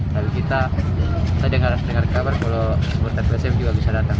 lalu kita saya dengar dengar kabar kalau supporter psm juga bisa datang